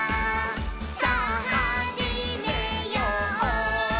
さぁはじめよう」